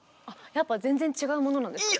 やっぱ全然違うものなんですか？